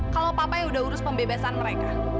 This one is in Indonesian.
kalau papa yang udah urus pembebasan mereka